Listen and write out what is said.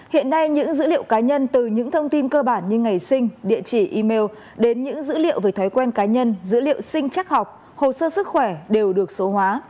hiện nay những dữ liệu cá nhân từ những thông tin cơ bản như ngày sinh địa chỉ email đến những dữ liệu về thói quen cá nhân dữ liệu sinh chắc học hồ sơ sức khỏe đều được số hóa